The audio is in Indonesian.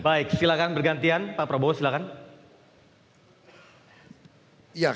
baik silakan bergantian pak prabowo silahkan